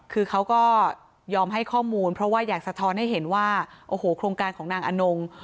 คือเขาก็ยอมให้ข้อมูลเพราะว่าอยากสะท้อนให้เห็นว่าโอ้โหโครงการของนางอนง